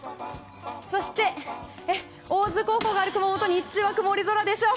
そして大津高校がある熊本は日中は曇り空でしょう。